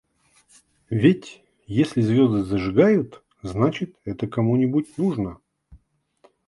Ведь, если звезды зажигают — значит – это кому-нибудь нужно?